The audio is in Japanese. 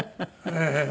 ええ。